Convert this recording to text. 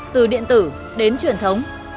từ điện tử đến truyền thống